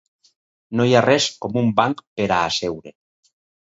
... no hi ha res com un banc pera seure.